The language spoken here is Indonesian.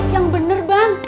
yang bener bang